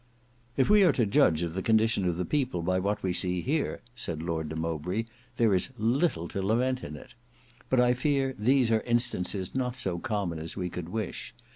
"If we are to judge of the condition of the people by what we see here," said Lord de Mowbray, "there is little to lament in it. But I fear these are instances not so common as we could wish.